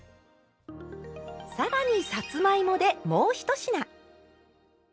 更にさつまいもでもう１品！